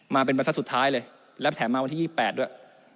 มาเป็นประทัดสุดท้ายเลยและแถมมาวันที่๒๘ด้วย